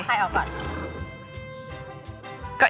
แล้วก็ออกก่อน